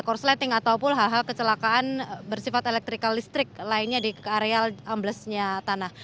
korsleting ataupun hal hal kecelakaan bersifat elektrikal listrik lainnya di areal amblesnya tanah